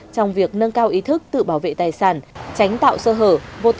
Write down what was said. trong việc nâng cao ý thức tự bảo vệ tài sản tránh tạo sơ hở